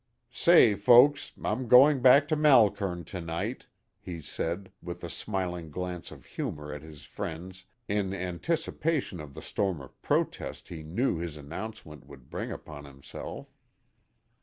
"Say, folks, I'm going back to Malkern to night," he said, with a smiling glance of humor at his friends in anticipation of the storm of protest he knew his announcement would bring upon himself.